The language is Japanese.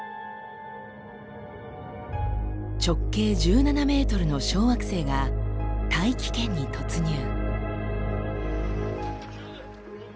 直径１７ｍの小惑星が大気圏に突入。